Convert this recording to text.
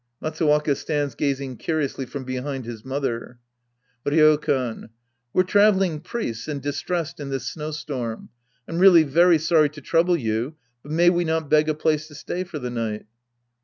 (Matsuwaka stands gazing curiously from behind his mot Iter.) Ryokan. We're traveling priests and distressed in this snow storm. I'm really very sorry to trouble you, but may we not beg a place to stay for the night